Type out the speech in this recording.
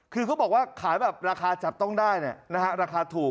คือเขาบอกว่าขายแบบราคาจับต้องได้ราคาถูก